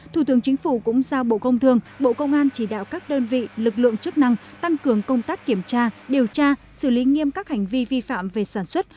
thủ tướng chính phủ cũng giao bộ công thương bộ công an chỉ đạo các đơn vị lực lượng chức năng tăng cường công tác kiểm tra điều tra xử lý nghiêm các hành vi vi phạm về sản xuất